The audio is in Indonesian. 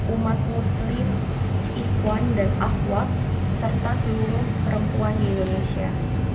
umat muslim ikhwan dan akhwab serta seluruh perempuan di indonesia